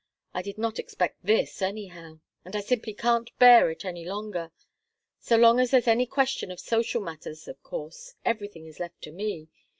I did not expect this, anyhow and I simply can't bear it any longer! So long as there's any question of social matters, of course, everything is left to me.